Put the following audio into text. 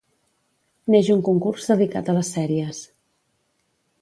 Neix un concurs dedicat a les sèries.